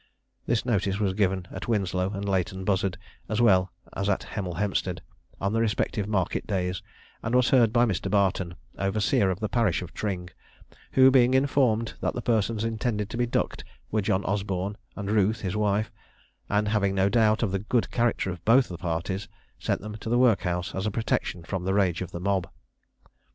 This notice was given at Winslow and Leighton Buzzard, as well as at Hemel Hempstead, on the respective market days, and was heard by Mr. Barton, overseer of the parish of Tring, who being informed that the persons intended to be ducked were John Osborne, and Ruth his wife, and having no doubt of the good character of both the parties, sent them to the workhouse, as a protection from the rage of the mob.